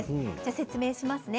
説明しますね。